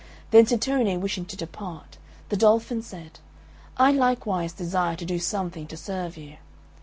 Then Tittone wishing to depart, the Dolphin said, "I likewise desire to do something to serve you."